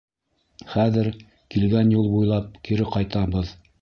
Хәҙер килгән юл буйлап кире ҡайтабыҙ.